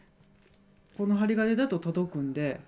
この針金だと届くんで。